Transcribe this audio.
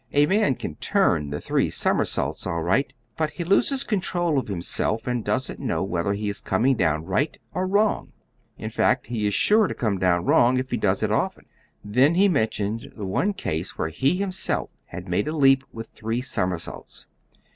A man can turn the three somersaults all right, but he loses control of himself, and doesn't know whether he is coming down right or wrong. In fact, he is sure to come down wrong if he does it often. Then he mentioned the one case where he himself had made a leap with three somersaults.